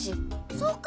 そうか！